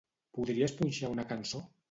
Podries punxar una cançó?